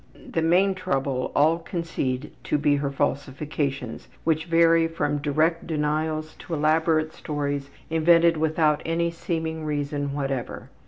The main trouble all concede to be her falsifications, which vary from direct denials to elaborate stories invented without any seeming reason whatever.